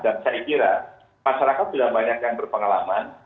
dan saya kira masyarakat sudah banyak yang berpengalaman